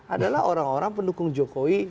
adalah orang orang pendukung jokowi